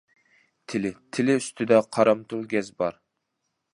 تىلى: تىلى ئۈستىدە قارامتۇل گەز بار.